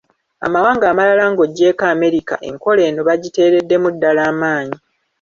Amawanga amalala ng’oggyeeko Amerika enkola eno bagiteereddemu ddalala amaanyi.